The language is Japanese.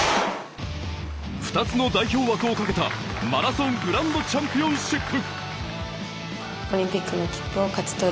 ２つの代表枠をかけたマラソングランドチャンピオンシップ。